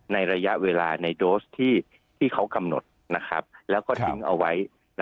ระยะเวลาในโดสที่เขากำหนดแล้วก็ทิ้งเอาไว้